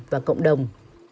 và cộng đồng